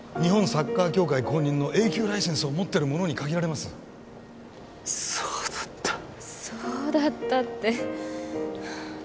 サッカー協会公認のＡ級ライセンスを持ってる者に限られますそうだったそうだったって